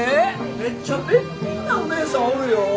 めっちゃべっぴんなおねえさんおるよ。